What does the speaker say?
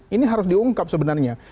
ini harus diungkap sebenarnya